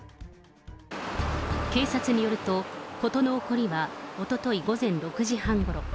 警察によると、事の起こりはおととい午前６時半ごろ。